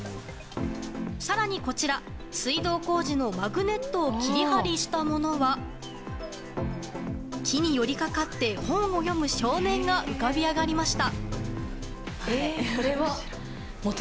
更に、こちら水道工事のマグネットを切り貼りしたものは木に寄りかかって本を読む少年が浮かび上がりました。